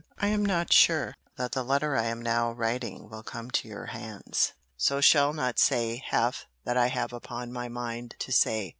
I am not sure that the letter I am now writing will come to your hands: so shall not say half that I have upon my mind to say.